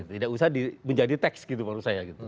tidak usah menjadi teks menurut saya